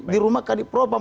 di rumah kandik propam